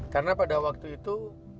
karena pada waktu itu